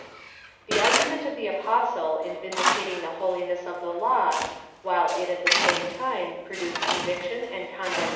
The argument of the Apostle in vindicating the lioliness of the law, while it, at the same time, produced conviction and con^ demoalioa, is cojiclusive.